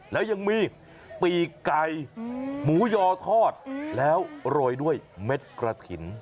แล้วยังมีปีกไก่หมูยอทอดแล้วโรยด้วยเม็ดกระถิ่น